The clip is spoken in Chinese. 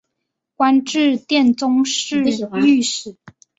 官至殿中侍御史。